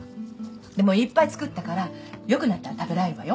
でもいっぱい作ったから良くなったら食べられるわよ。